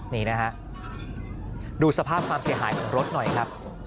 นี่นะฮะดูสภาพความเสียหายของรถหน่อยครับ